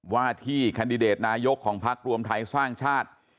ว่าที่ขันดิเดตนายกของภมษ์ไทยสร้างชาติ